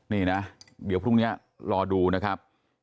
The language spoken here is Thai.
นี่นะเดี๋ยวพรุ่งนี้รอดูนะครับ